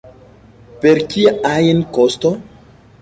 Per kia ajn kosto.